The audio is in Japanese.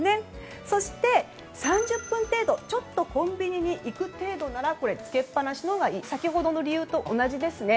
そして３０分程度ちょっとコンビニに行く程度ならこれつけっぱなしのほうがいい先ほどの理由と同じですね。